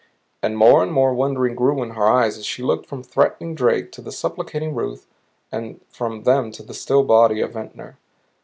And more and more wondering grew in her eyes as she looked from the threatening Drake to the supplicating Ruth, and from them to the still body of Ventnor.